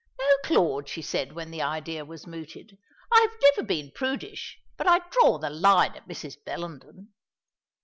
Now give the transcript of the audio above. "No, Claude," she said when the idea was mooted. "I have never been prudish, but I draw the line at Mrs. Bellenden."